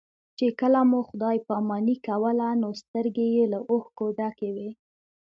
چې کله مو خدای پاماني کوله نو سترګې یې له اوښکو ډکې وې.